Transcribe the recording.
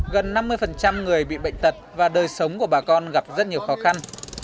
gần năm mươi người bị bệnh tật và đời sống của bà con gặp rất nhiều khó khăn